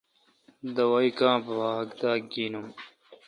دوائ کا با داگینم۔